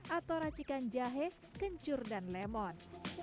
atau racikan jahe kencur dan lemon